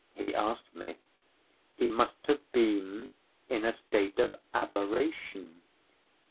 he asked me. He must have been in a state of aberration.